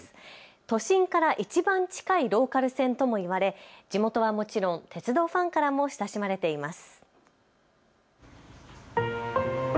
都心からいちばん近いローカル線とも言われ地元はもちろん鉄道ファンからも親しまれています。